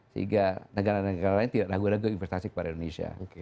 sehingga negara negara lain tidak ragu ragu investasi kepada indonesia